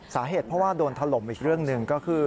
สาเหตุเพราะว่าโดนถล่มอีกเรื่องหนึ่งก็คือ